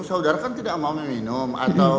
saudara kan tidak mau meminum atau